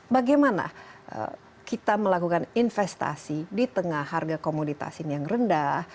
bagaimana kita melakukan investasi di tengah harga komoditas ini yang rendah